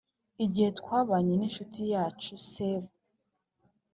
igihe twabanye n` inshuti yacu sebu